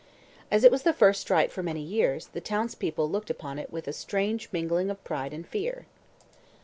As it was the first strike for many years, the townspeople looked upon it with a strange mingling of pride and fear.